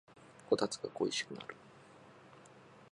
こたつが恋しくなる